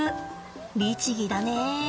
律儀だね。